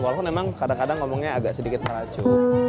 walaupun memang kadang kadang ngomongnya agak sedikit meracu